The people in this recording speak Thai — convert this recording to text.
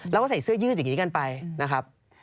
แล้วก็ใส่เสื้อยืดอย่างนี้กันไปนะครับ